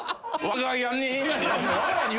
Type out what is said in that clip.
「我が家に」